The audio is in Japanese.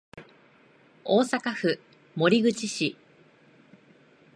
大阪府守口市